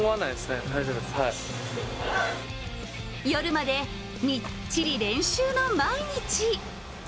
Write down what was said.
夜までみっちり練習の毎日。